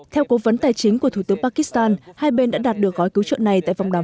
theo cố vấn tài chính của thủ tướng pakistan hai bên đã đạt được gói cứu trợ này tại vòng đàm